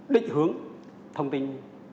đích hướng thông tin